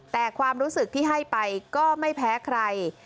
แต่ความรู้สึกที่ให้ไปก็ไม่แพ้ใคร